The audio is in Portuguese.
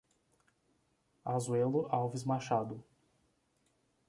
Asuelo Alves Machado